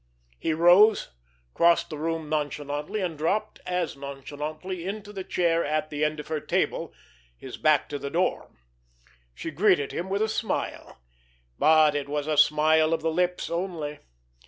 He rose, crossed the room nonchalantly, and dropped as nonchalantly into the chair at the end of her table, his back to the door. She greeted him with a smile—but it was a smile of the lips only.